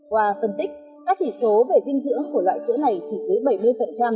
qua phân tích các chỉ số về dinh dưỡng của loại sữa này chỉ dưới bảy mươi